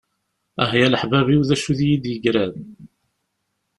Ah ya leḥbab-iw d acu d iyi-d-yeggran.